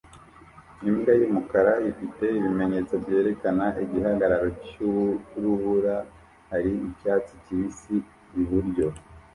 Imbwa yumukara ifite ibimenyetso byerekana igihagararo cyurubura; hari icyatsi kibisi iburyo